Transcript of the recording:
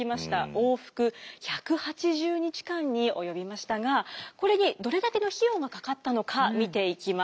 往復１８０日間に及びましたがこれにどれだけの費用がかかったのか見ていきます。